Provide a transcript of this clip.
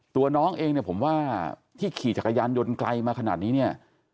ตัวน้องเองเนี่ยผมว่าที่ขี่จักรยานยนต์ไกลมาขนาดนี้เนี่ย